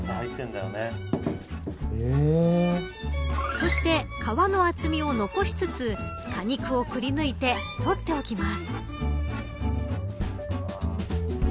そして皮の厚みを残しつつ果肉をくりぬいて取っておきます。